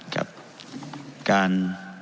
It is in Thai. การ